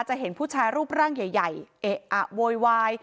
เห็นผู้ชายรูปร่างใหญ่เอะอะโวยวาย